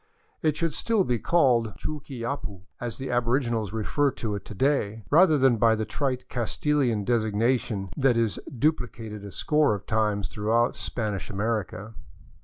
It should still be called Chuquiyapu, as the aboriginals refer to it to day, rather than by the trite Castilian designation that is duplicated a score of times throughout Spanish America.